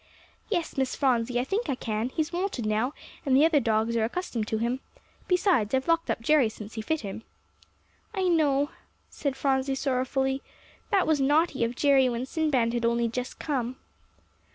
"Yes, Miss Phronsie, I think I can; he's wonted now, and the other dogs are accustomed to him. Besides, I've locked up Jerry since he fit him." "I know," said Phronsie sorrowfully; "that was naughty of Jerry when Sinbad had only just come."